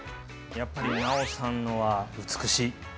やっぱり尚さんのは美しい。